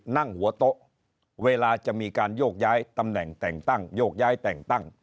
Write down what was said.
นั่งหัวโตะเวลาจะมีการโยกย้ายตำแหน่งแต่งตั้ง